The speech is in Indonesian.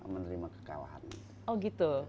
menerima kekalahan oh gitu